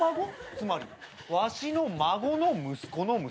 つまりわしの孫の息子の息子。